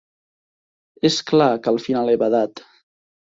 És clar que al final he badat.